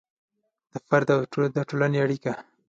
د فرد او د ټولنې اړیکه